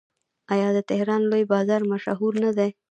آیا د تهران لوی بازار مشهور نه دی؟